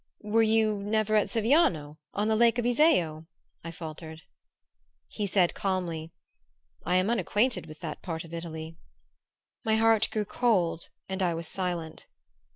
"Were you never at Siviano, on the lake of Iseo?" I faltered. He said calmly: "I am unacquainted with that part of Italy." My heart grew cold and I was silent.